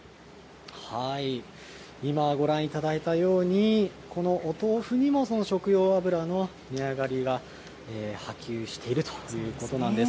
今ご覧いただいたように、このお豆腐にも、その食用油の値上がりが波及しているということなんです。